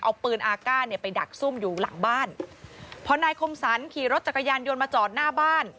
เอาปืนอาก้าเนี่ยไปดักซุ่มอยู่หลังบ้านพอนายคมสรรขี่รถจักรยานยนต์มาจอดหน้าบ้าน